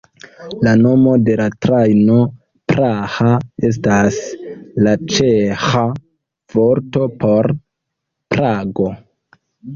La nomo de la trajno, "Praha", estas la ĉeĥa vorto por Prago.